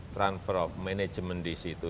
transfer of management di situ